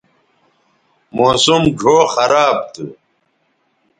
موسم ڙھؤ خراب تھو